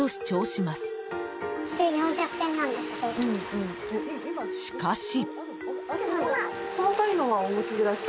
しかし。